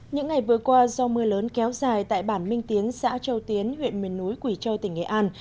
những ngày vừa qua do mưa lớn kéo dài tại bản minh tiến xã châu tiến huyện miền núi quỷ châu tỉnh nghệ an